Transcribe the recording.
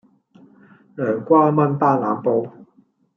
涼瓜炆班腩煲